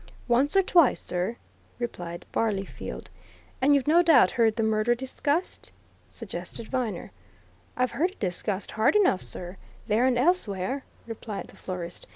"Once or twice, sir," replied Barleyfield. "And you've no doubt heard the murder discussed?" suggested Viner. "I've heard it discussed hard enough, sir, there and elsewhere," replied the florist.